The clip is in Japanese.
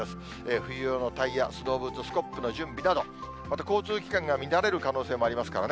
冬用のタイヤ、スノーブーツ、スコップの準備など、また交通機関が乱れる可能性もありますからね。